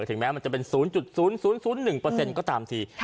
ถึงแม้มันจะเป็น๐๐๑ก็ตามที